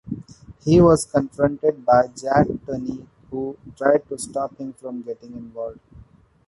He was confronted by Jack Tunney who tried to stop him from getting involved.